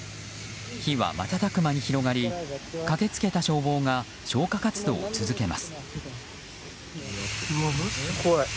火は瞬く間に広がり駆けつけた消防が消火活動を続けます。